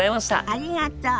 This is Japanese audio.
ありがとう。